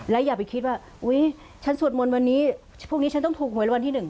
และอย่าไปคิดว่าฉันสวดมนตร์วันนี้พวกนี้ฉันต้องถูกไว้ละวันที่หนึ่ง